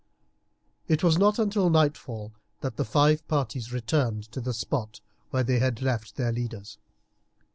It was not until nightfall that the five parties returned to the spot where they had left their leaders.